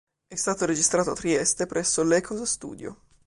È stato registrato a Trieste presso l'Echoes Studio.